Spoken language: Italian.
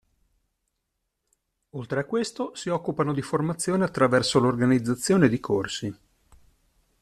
Oltre a questo, si occupano di formazione attraverso l'organizzazione di corsi.